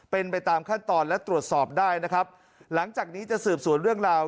เป็นไปตามขั้นตอนและตรวจสอบได้นะครับหลังจากนี้จะสืบสวนเรื่องราว